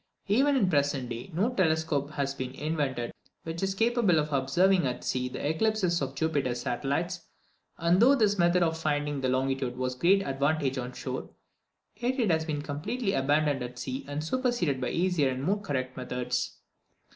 Even in the present day, no telescope has been invented which is capable of observing at sea the eclipses of Jupiter's satellites; and though this method of finding the longitude has great advantages on shore, yet it has been completely abandoned at sea, and superseded by easier and more correct methods.